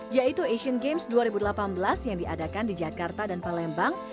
yaitu asian games dua ribu delapan belas yang diadakan di jakarta dan palembang